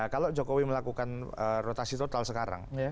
kalau jokowi melakukan rotasi total sekarang